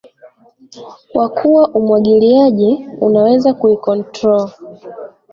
kwa kuwa umwagiliaji unaweza kuicontrol